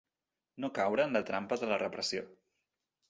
No caure en la trampa de la repressió.